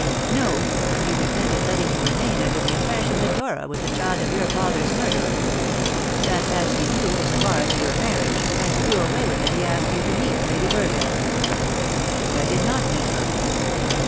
"No; but he repented letting you remain under the impression that Dora was the child of your father's murderer. That, as he knew, was a bar to your marriage, and to do away with it he asked you to meet Lady Burville." "But I did not meet her!"